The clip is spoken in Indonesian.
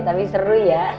tapi seru ya